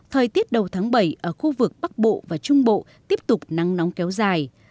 thời tiết đầu tháng bảy ở khu vực bắc bộ và trung bộ tiếp tục nắng nóng kéo dài